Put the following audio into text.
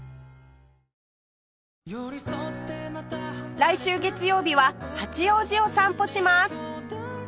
来週月曜日は八王子を散歩します